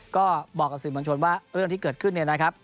ก็บอกกับสื่อมวลชนว่าเรื่องที่เกิดขึ้นเนี่ยนะครับ